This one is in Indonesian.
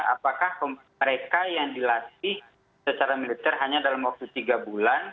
apakah mereka yang dilatih secara militer hanya dalam waktu tiga bulan